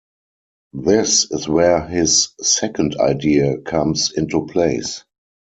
This is where his second idea comes into place.